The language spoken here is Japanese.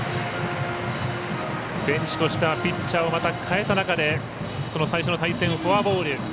ベンチとしてはまたピッチャーを代えた中でその最初の対戦フォアボール。